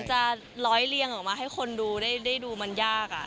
จะร้อยเลี่ยงออกมาให้คนดูได้ดูมันยาก